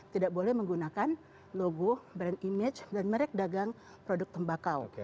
tidak boleh menggunakan logo brand image dan merek dagang produk tembakau